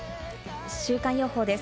週間予報です。